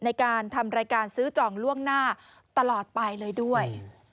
ในการทำรายการซื้อจองล่วงหน้าตลอดไปเลยด้วย